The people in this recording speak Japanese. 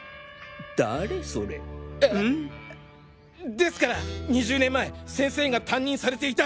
ですから２０年前先生が担任されていた。